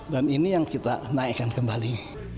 dan ini yang kita naikkan kembali